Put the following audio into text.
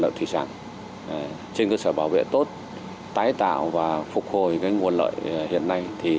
lợi thủy sản trên cơ sở bảo vệ tốt tái tạo và phục hồi nguồn lợi hiện nay